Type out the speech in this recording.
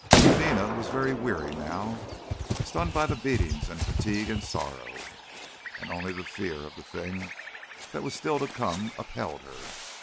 Eudena was very weary now, stunned by beatings and fatigue and sorrow, and only the fear of the thing that was still to come upheld her.